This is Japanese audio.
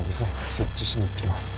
設置しに行ってきます。